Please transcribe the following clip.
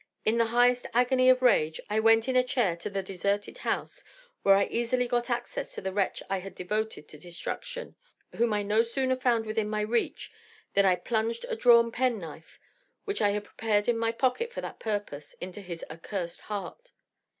In the highest agony of rage, I went in a chair to the detested house, where I easily got access to the wretch I had devoted to destruction, whom I no sooner found within my reach than I plunged a drawn penknife, which I had prepared in my pocket for the purpose, into his accursed heart.